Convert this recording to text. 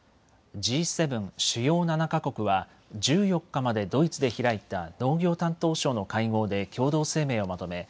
Ｇ７・主要７か国は１４日までドイツで開いた農業担当相の会合で共同声明をまとめ